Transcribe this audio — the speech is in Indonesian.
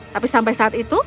tapi sampai saat itu